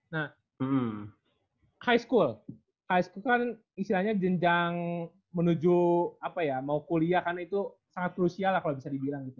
nah high school high school kan istilahnya jenjang menuju apa ya mau kuliah kan itu sangat krusial lah kalau bisa dibilang gitu